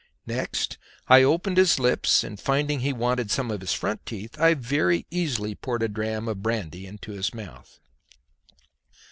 Next I opened his lips and, finding he wanted some of his front teeth, I very easily poured a dram of brandy into his mouth.